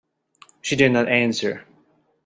She did not answer.